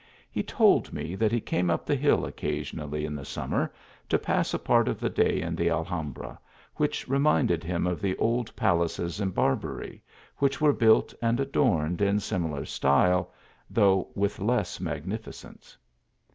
He told me that he came up the hill occasionally in the summer, to pass a part of the day in the Alhambra, which reminded him cf the old palaces in Barbary, which were built and adorned in similar style, though with less magnificence.